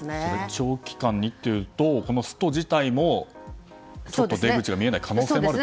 長期間を見ているとスト自体も出口が見えない可能性もあると。